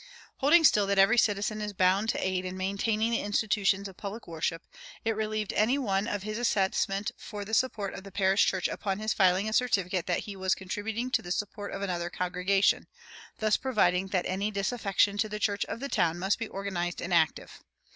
Holding still that every citizen is bound to aid in maintaining the institutions of public worship, it relieved any one of his assessment for the support of the parish church upon his filing a certificate that he was contributing to the support of another congregation, thus providing that any disaffection to the church of the town must be organized and active.